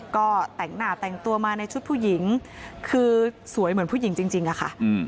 ก็แต่งหน้าแต่งตัวมาในชุดผู้หญิงคือสวยเหมือนผู้หญิงจริงอะค่ะ